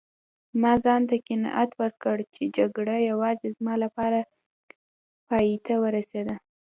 ما ځانته قناعت ورکړ چي جګړه یوازې زما لپاره پایته ورسیده.